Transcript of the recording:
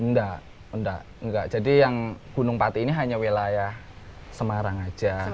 nggak nggak jadi yang gunung pati ini hanya wilayah semarang aja